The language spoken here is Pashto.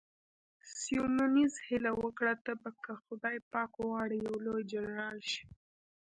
سیمونز هیله وکړه، ته به که خدای پاک وغواړي یو لوی جنرال شې.